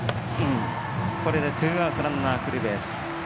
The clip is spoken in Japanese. これでツーアウト、ランナーフルベース。